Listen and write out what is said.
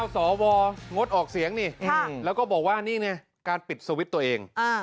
สวยงดออกเสียงนี่แล้วก็บอกว่านี่ไงการปิดสวิตช์ตัวเอง